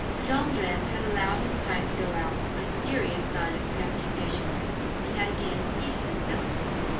Jondrette had allowed his pipe to go out, a serious sign of preoccupation, and had again seated himself.